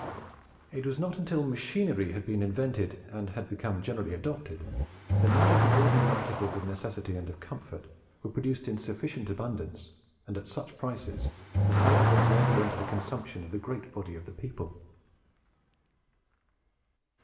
It was not until machinery had been invented and become generally adopted that many of the ordinary articles of necessity and of comfort were produced in sufficient abundance and at such prices as enabled them to enter into the consumption of the great body of the people.